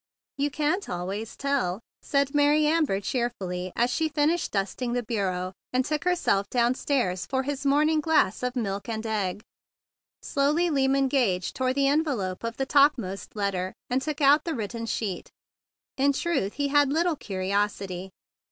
"You can't always tell," said Mary Amber cheerfully, as she finished dust¬ ing the bureau and took herself down¬ stairs for his morning glass of milk and egg. Slowly Lyman Gage tore the en¬ velope of the topmost letter, and took out the written sheet. In truth he had little curiosity.